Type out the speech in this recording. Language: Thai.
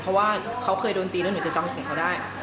เพราะว่าเขาเคยโดนตีแล้วหนูจะจำเสียงเขาได้